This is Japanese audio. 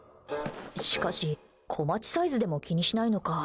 しかし、こまちサイズでも気にしないのか。